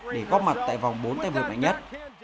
để góp mặt tại vòng bốn tay vượt nhất